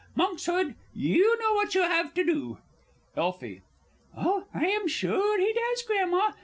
Monkshood, you know what you have to do. Elfie. Oh, I am sure he does, Grandma!